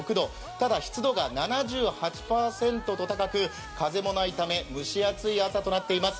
ただ湿度が７８％と高く風もないため蒸し暑い朝となっています。